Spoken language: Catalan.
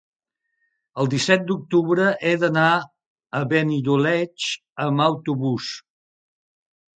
El disset d'octubre he d'anar a Benidoleig amb autobús.